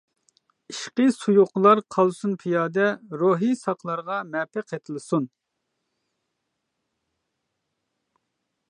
ئىشقى سۇيۇقلار قالسۇن پىيادە روھى ساقلارغا مەپە قېتىلسۇن.